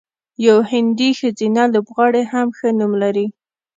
یوه هندۍ ښځینه لوبغاړې هم ښه نوم لري.